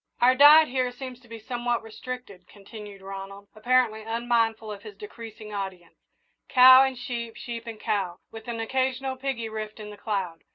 "Our diet here seems to be somewhat restricted," continued Ronald, apparently unmindful of his decreasing audience, "cow and sheep, sheep and cow, with an occasional piggy rift in the cloud.